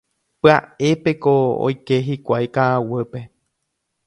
Pya'épeko oike hikuái ka'aguýpe.